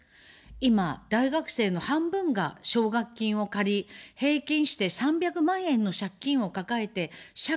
今大学生の半分が奨学金を借り、平均して３００万円の借金を抱えて社会に出ると言われています。